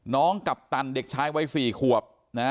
น้องกัปตันเด็กชายไว้๔ควบ